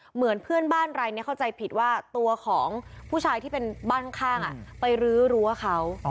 เหมือนเพื่อนบ้านรายนี้เข้าใจผิดว่าตัวของผู้ชายที่เป็นบ้านข้างไปรื้อรั้วเขา